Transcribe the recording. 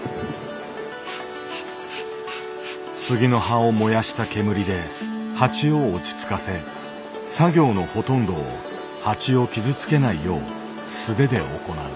杉の葉を燃やした煙で蜂を落ち着かせ作業のほとんどを蜂を傷つけないよう素手で行う。